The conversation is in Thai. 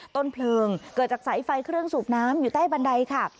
ต้นเพลิงเกิดจากสายไฟเครื่องสูบน้ำอยู่ใต้บันไดค่ะ